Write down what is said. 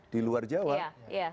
di luar jawa ya